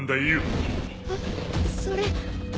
えっそれ。